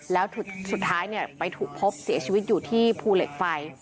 แล้วสุดท้ายไปถูกพบเสียชีวิตอยู่ที่ภูเหล็กไฟ